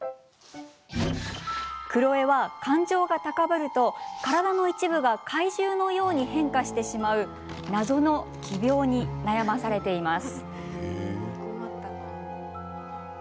クロエは感情が高ぶると体の一部が怪獣のように変化してしまう謎の奇病に悩まされています。